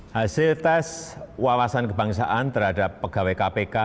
hasil tes wawasan kebangsaan terhadap pegawai kpk